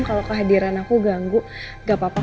kalau kehadiran aku ganggu gak apa apa